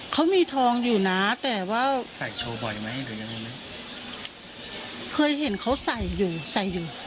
เขามีทองอยู่นะแต่ว่าเคยเห็นเขาใส่อยู่ใส่อยู่